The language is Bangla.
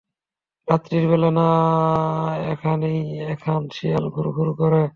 রাত্তির বেলা না এইখানে একখান শিয়াল ঘুরঘুর করে?